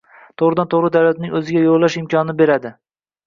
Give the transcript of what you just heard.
Toʻgʻridan-toʻgʻri davlatning oʻziga yoʻllash imkonini oshiradi.